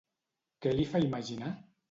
Què li fa imaginar?